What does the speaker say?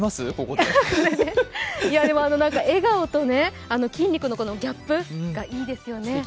でも、あの笑顔と筋肉のギャップがいいですよね。